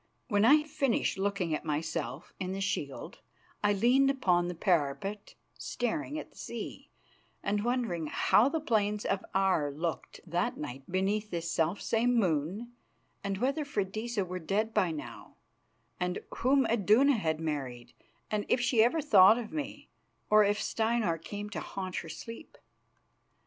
When I had finished looking at myself in the shield, I leaned upon the parapet staring at the sea and wondering how the plains of Aar looked that night beneath this selfsame moon, and whether Freydisa were dead by now, and whom Iduna had married, and if she ever thought of me, or if Steinar came to haunt her sleep.